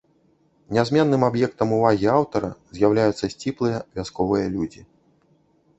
Нязменным аб'ектам увагі аўтара з'яўляюцца сціплыя вясковыя людзі.